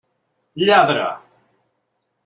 Lladre!